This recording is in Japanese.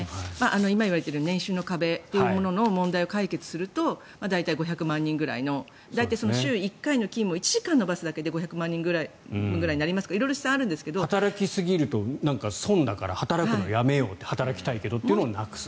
今言われている年収の壁というものの問題を解決すると大体５００万人ぐらいの週１回の勤務を１時間伸ばすだけで５００万人分くらいになりますから働きすぎると損だから働くのやめよう働きたいけどというのをなくす。